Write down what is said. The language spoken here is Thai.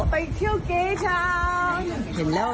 ไปเที่ยวเกเตอร์ชาว